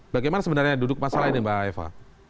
bagaimana sebenarnya duduk masalah ini mbak eva